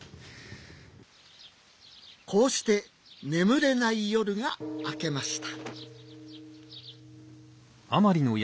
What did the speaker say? こうして眠れない夜が明けました